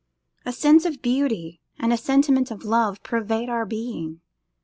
A sense of beauty and a sentiment of love pervade our being.